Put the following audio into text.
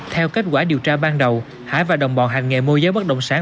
theo kết quả điều tra ban đầu hải và đồng bọn hành nghề môi giới bất động sản